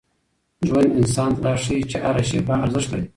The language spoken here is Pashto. ژوند انسان ته دا ښيي چي هره شېبه ارزښت لري.